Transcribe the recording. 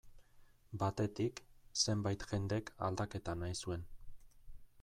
Batetik, zenbait jendek aldaketa nahi zuen.